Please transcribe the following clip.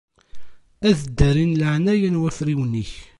Ad ddariɣ leɛnaya n wafriwen-ik.